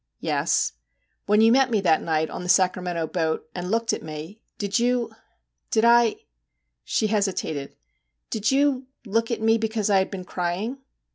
'Yes.' 'When you met me that night on the Sacramento boat, and looked at me, did you, did I,' she hesitated 'did you look at me because I had been crying